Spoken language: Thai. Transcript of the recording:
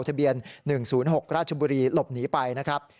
ทะเบียนหนึ่งศูนย์หกราชบุรีหลบหนีไปนะครับ